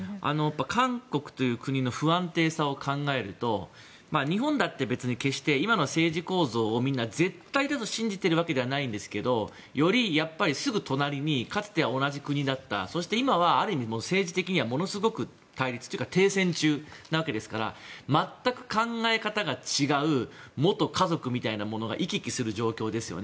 韓国という国の不安定さを考えると日本だって別に今の政治構造を絶対だと信じているわけではないですがより、やっぱり、すぐ隣にかつて同じ国だったそして今は、ある意味政治的にはものすごく対立というか停戦中なわけですから全く考え方が違う元家族みたいなものが行き来する状況ですよね。